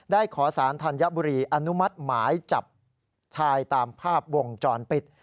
ขอสารธัญบุรีอนุมัติหมายจับชายตามภาพวงจรปิด